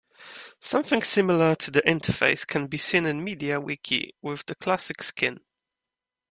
Something similar to the interface can be seen in MediaWiki with the classic skin.